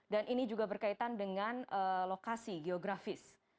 dan ini juga berkaitan dengan lokasi geografis